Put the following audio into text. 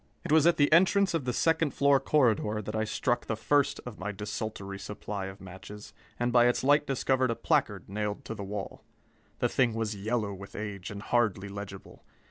It was at the entrance of the second floor corridor that I struck the first of my desultory supply of matches, and by its light discovered a placard nailed to the wall. The thing was yellow with age and hardly legible.